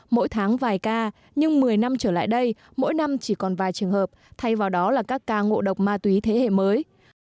mỗi tháng vài ca nhưng một mươi năm trở lại đây mỗi năm chỉ còn vài trường hợp thay vào đó là các ca ngộ độc ma túy thế hệ mới